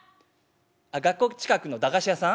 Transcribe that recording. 「あ学校近くの駄菓子屋さん？